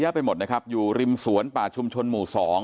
ไปหมดนะครับอยู่ริมสวนป่าชุมชนหมู่๒